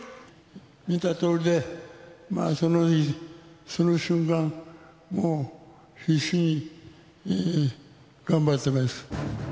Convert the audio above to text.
見たとおりで、その日、その瞬間、もう必死に頑張ってます。